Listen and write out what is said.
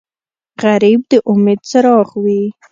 غریب د امید څراغ وي